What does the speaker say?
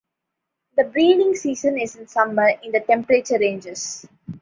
The breeding season is in summer in the temperate ranges.